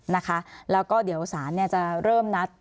นะคะแล้วก็เดี๋ยวศาลจะเริ่มนัด